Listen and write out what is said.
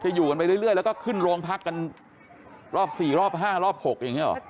อยู่กันไปเรื่อยแล้วก็ขึ้นโรงพักกันรอบ๔รอบ๕รอบ๖อย่างนี้หรอ